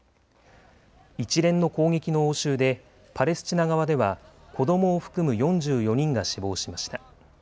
一連の攻撃の応酬でパレスチナ側では子どもを含む４４人が死亡しました。